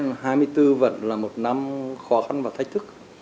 năm hai nghìn hai mươi bốn vẫn là một năm khó khăn và thách thức